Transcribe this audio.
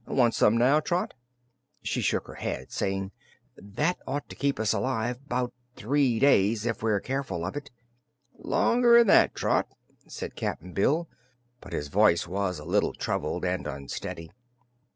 "Want some now, Trot?" She shook her head, saying: "That ought to keep us alive 'bout three days if we're careful of it." "Longer'n that, Trot," said Cap'n Bill, but his voice was a little troubled and unsteady.